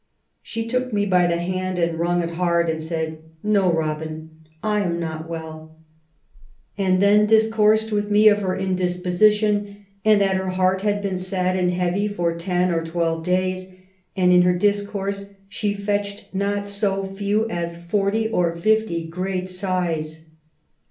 She took me by the hand and wrung it hard, and said :* No, Robin, I am not well,* and then dis coursed with me of her indisposition, and that her heart had been sad and heavy for ten or twelve days, and in her discourse she fetched not so few as forty or fifty great sighs.